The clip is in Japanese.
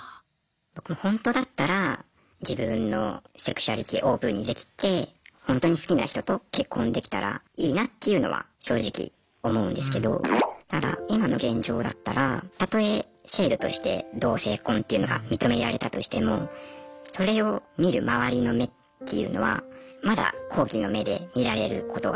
僕ほんとだったら自分のセクシュアリティーオープンにできてほんとに好きな人と結婚できたらいいなっていうのは正直思うんですけどただ今の現状だったらたとえ制度として同性婚というのが認められたとしてもそれを見る周りの目っていうのはまだ好奇の目で見られることが。